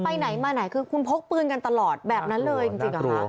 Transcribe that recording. ไปไหนมาไหนคือคุณพกปืนกันตลอดแบบนั้นเลยจริงเหรอคะ